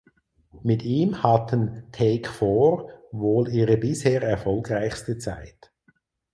Mit ihm hatten Take Four wohl ihre bisher erfolgreichste Zeit.